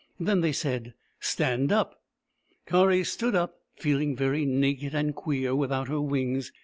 Then they said, " Stand up." Kari stood up, feeling very naked and queer without her wings.